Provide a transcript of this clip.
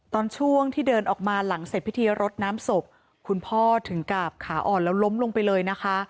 ตอนช่วงที่เดินออกมาหลังเสร็จพิธีรดน้ำศพคุณพ่อถึงกับขาอ่อนแล้วล้มลงไปเลยนะคะ